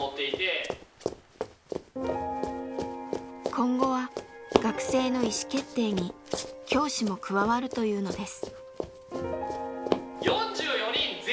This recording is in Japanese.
今後は学生の意思決定に教師も加わるというのです。